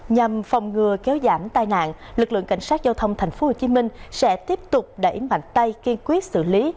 nhằm phòng ngừa kéo giảm tai nạn lực lượng cảnh sát giao thông tp hcm sẽ tiếp tục đẩy mạnh tay kiên quyết xử lý